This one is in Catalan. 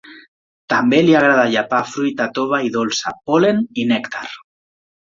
També li agrada llepar fruita tova i dolça, pol·len i nèctar.